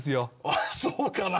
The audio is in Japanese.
あっそうかな。